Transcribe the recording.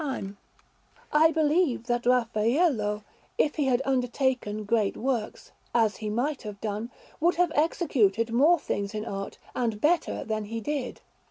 Lorenzo_) Alinari] I believe that Raffaello, if he had undertaken great works, as he might have done, would have executed more things in art, and better, than he did.